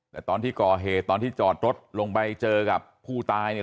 แต่ตอนที่ก่อเหตุตอนที่จอดรถลงไปเจอกับผู้ตายเนี่ย